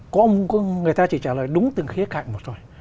có người ta chỉ trả lời đúng từng khía cạnh một rồi